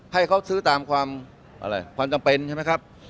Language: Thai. ให้เขาซื้อตามความอะไรความจำเป็นใช่ไหมครับ